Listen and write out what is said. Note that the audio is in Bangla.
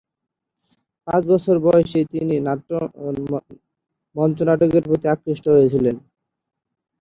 পাঁচ বছর বয়সেই তিনি মঞ্চনাটকের প্রতি আকৃষ্ট হয়েছিলেন।